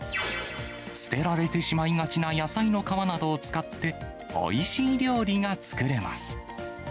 捨てられてしまいがちな野菜の皮などを使って、おいしい料理が作れます。